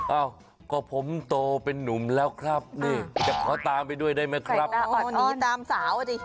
เอ้าก็ผมโตเป็นนุ่มแล้วครับนี่จะขอตามไปด้วยได้ไหมครับคนนี้ตามสาวอ่ะสิ